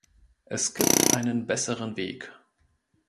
Es gibt einen besseren Weg.